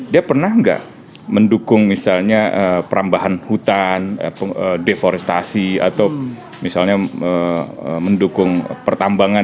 dia pernah nggak mendukung misalnya perambahan hutan deforestasi atau misalnya mendukung pertambangan